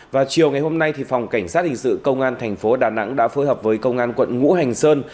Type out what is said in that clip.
vào chiều ngày hôm nay phòng cảnh sát hình sự công an thành phố đà nẵng đã phối hợp với công an quận ngũ hành sơn